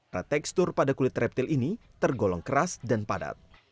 nah tekstur pada kulit reptil ini tergolong keras dan padat